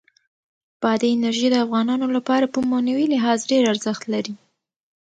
بادي انرژي د افغانانو لپاره په معنوي لحاظ ډېر ارزښت لري.